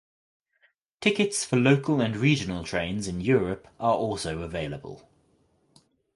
Tickets for local and regional trains in Europe are also available.